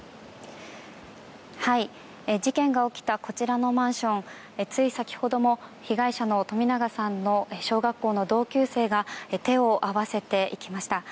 事件が起きたこちらのマンションつい先ほども、被害者の冨永さんの小学校の同級生が手を合わせていきました。